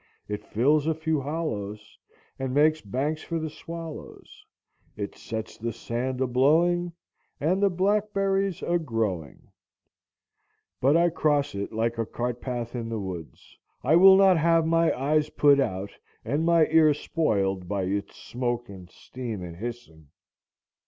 It fills a few hollows, And makes banks for the swallows, It sets the sand a blowing, And the blackberries a growing, but I cross it like a cart path in the woods. I will not have my eyes put out and my ears spoiled by its smoke and steam and hissing.